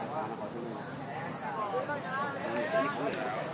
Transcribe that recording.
โปรดติดตามต่อไป